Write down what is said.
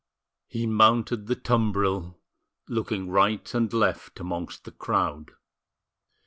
He mounted the tumbril, looking right and left amongst the crowd.